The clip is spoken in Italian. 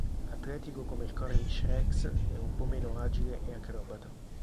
Atletico come il Cornish Rex, è un po' meno agile e acrobata.